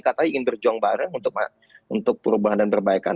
katanya ingin berjuang bareng untuk perubahan dan perbaikan